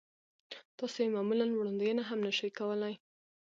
تاسې يې معمولاً وړاندوينه هم نه شئ کولای.